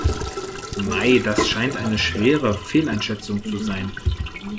Mei, das scheint eine schwere Fehleinschätzung zu sein.